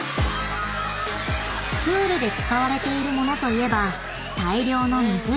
［プールで使われているものといえば］